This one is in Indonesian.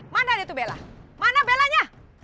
mana dia tuh bella mana bellanya